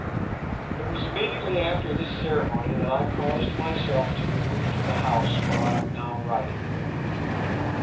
It was immediately after this ceremony that I caused myself to be moved to the house where I am now writing.